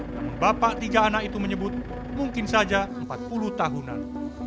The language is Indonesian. namun bapak tiga anak itu menyebut mungkin saja empat puluh tahunan